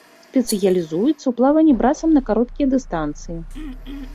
Спецыялізуецца ў плаванні брасам на кароткія дыстанцыі.